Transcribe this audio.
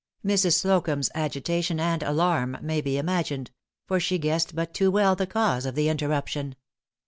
Mrs. Slocumb's agitation and alarm may be imagined; for she guessed but too well the cause of the interruption.